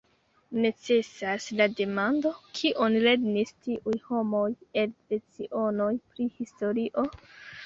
Necesas la demando: Kion lernis tiuj homoj el lecionoj pri historio?